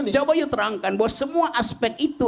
coba saya terangkan bahwa semua aspek itu